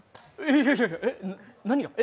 いやいや、何が。